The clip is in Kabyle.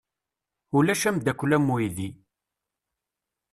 Ulac ameddakel am uydi.